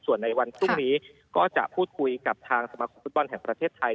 ส่วนในวันพรุ่งนี้ก็จะพูดคุยกับทางสมาคมฟุตบอลแห่งประเทศไทย